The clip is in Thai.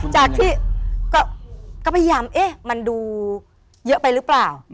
จากที่ก็พยายามเอ๊ะมันดูเยอะไปหรือเปล่า